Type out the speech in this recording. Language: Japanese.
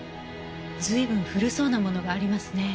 随分古そうなものがありますね。